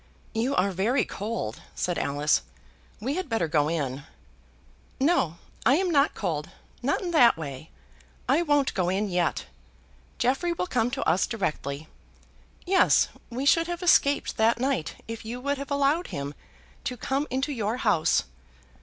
"You are very cold," said Alice. "We had better go in." "No, I am not cold, not in that way. I won't go in yet. Jeffrey will come to us directly. Yes; we should have escaped that night if you would have allowed him to come into your house.